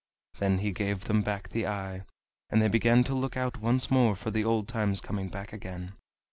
Then he gave them back the eye, and they began to look out once more for the old times coming back again.